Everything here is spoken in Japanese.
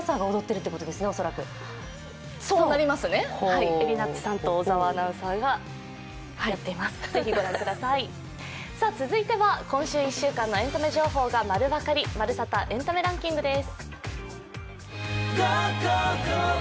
続いては今週１週間のエンタメ情報が丸分かり、「まるサタ！エンタメランキング」です。